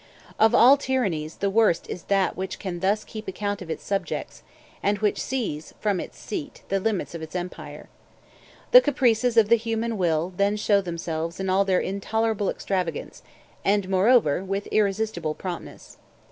Of all tyrannies, the worst is that which can thus keep account of its subjects, and which sees, from its seat, the limits of its empire. The caprices of the human will then show themselves in all their intolerable extravagance, and, moreover, with irresistible promptness.